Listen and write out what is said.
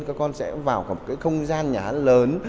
các con sẽ vào không gian nhà lớn